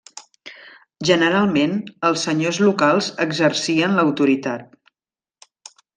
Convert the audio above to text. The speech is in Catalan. Generalment els senyors locals exercien l'autoritat.